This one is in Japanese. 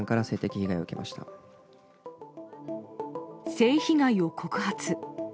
性被害を告発。